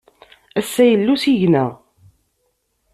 Ass-a, yella usigna.